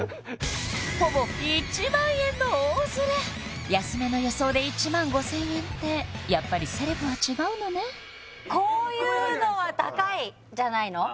ほぼ１万円の大ズレ安めの予想で１万５０００円ってやっぱりセレブは違うのねじゃないの？